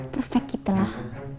perfect gitu lah